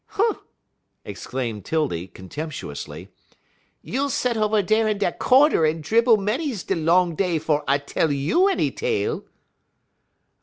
"Humph!" exclaimed 'Tildy, contemptuously, "you'll set over dar in dat cornder en dribble many's de long day 'fo' I tell you any tale."